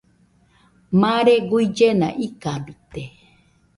Mare guillena ikabite.